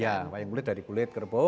ya wayang kulit dari kulit kerbau